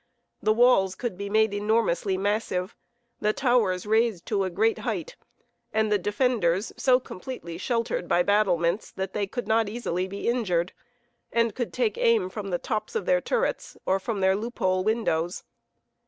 The walls could be made enormously massive, the towers raised to a great height, and the defenders so completely sheltered by battlements that they could not easily be injured, and could take aim from the top of their turrets, or from their loophole windows.